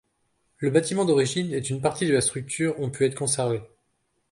Le bâtiment d'origine et une partie de la structure ont pu être conservés.